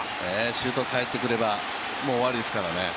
周東が帰ってくればもう終わりですからね。